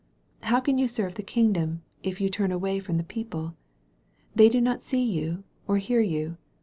How can you serve the kingdom if you turn away from the people? They do not see you or hear you.